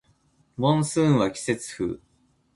モンスーンは季節風